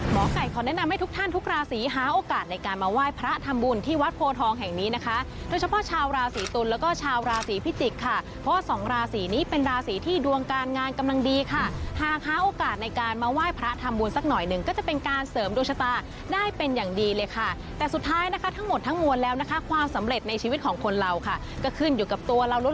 หมอไก่ขอแนะนำให้ทุกท่านทุกราศีหาโอกาสในการมาไหว้พระทำบุญที่วัดโพทองแห่งนี้นะคะโดยเฉพาะชาวราศีตุลแล้วก็ชาวราศีพิจิกค่ะเพราะว่าสองราศีนี้เป็นราศีที่ดวงการงานกำลังดีค่ะหากหาโอกาสในการมาไหว้พระทำบุญสักหน่อยหนึ่งก็จะเป็นการเสริมดุชตาได้เป็นอย่างดีเลยค่ะแต่สุดท้ายนะคะทั้